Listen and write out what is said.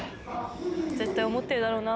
絶対思ってるだろうな。